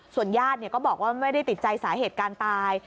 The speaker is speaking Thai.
ญาติก็บอกว่าไม่ได้ติดใจสาเหตุการตาย